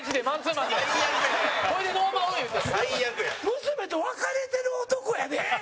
娘と別れてる男やで？